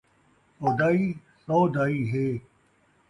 سودائی سو دائی ہے